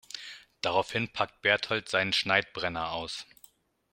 Daraufhin packt Bertold seinen Schneidbrenner aus.